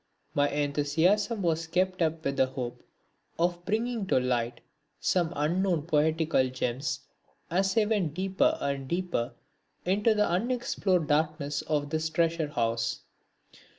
My enthusiasm was kept up with the hope of bringing to light some unknown poetical gems as I went deeper and deeper into the unexplored darkness of this treasure house.